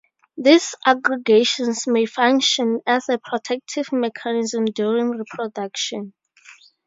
These aggregations may function as a protective mechanism during reproduction.